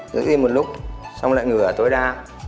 giữ yên một lúc xong lại ngửa tối đa